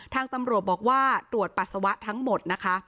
ทางตำรวจบอกว่าตรวจปัสสาวะทั้งหมดนะคะ